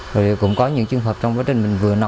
rồi cũng có những trường hợp trong quá trình mình vừa nói